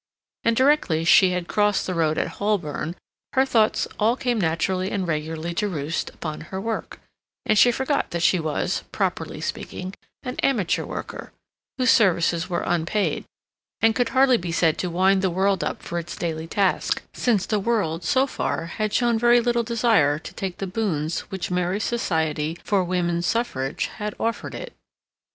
And directly she had crossed the road at Holborn, her thoughts all came naturally and regularly to roost upon her work, and she forgot that she was, properly speaking, an amateur worker, whose services were unpaid, and could hardly be said to wind the world up for its daily task, since the world, so far, had shown very little desire to take the boons which Mary's society for woman's suffrage had offered it.